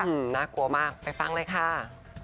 น่ากลัวมากไปฟังเลยค่ะ